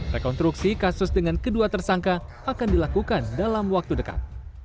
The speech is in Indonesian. rekonstruksi kasus dengan kedua tersangka akan dilakukan dalam waktu dekat